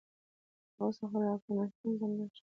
تر اوسه خو لا کومه ستونزه نشته.